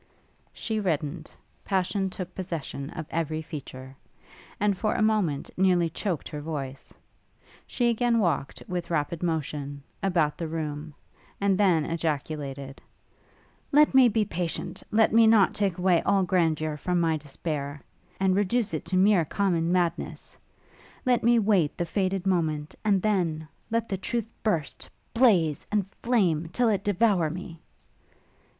She reddened; passion took possession of every feature, and for a moment nearly choaked her voice: she again walked, with rapid motion, about the room, and then ejaculated, 'Let me be patient! let me not take away all grandeur from my despair, and reduce it to mere common madness! Let me wait the fated moment, and then let the truth burst, blaze, and flame, till it devour me!